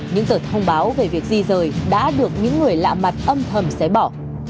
những tờ thông báo về việc di rời đã được những người lạ mặt âm thầm xé bỏ